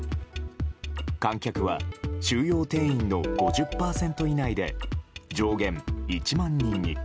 観客は収容定員の５０％以内で上限１万人。